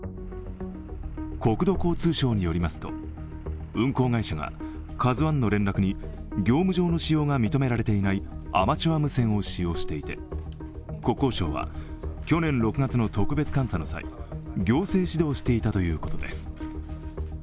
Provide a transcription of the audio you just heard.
国土交通省によりますと運航会社が「ＫＡＺＵⅠ」の連絡に業務上の使用が認められていないアマチュア無線を使用していて国交省は去年６月の特別監査の際、行政指導していたということです。